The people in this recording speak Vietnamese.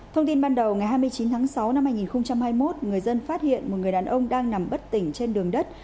thông tin ban đầu ngày hai mươi chín tháng sáu năm hai nghìn hai mươi một người dân phát hiện một người đàn ông đang nằm bất tỉnh trên đường đất